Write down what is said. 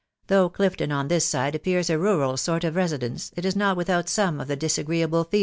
Though; CliAajt . on this side appears a rural sort of residence, it \* rort. mthaa$ tome of the disagreeable featura.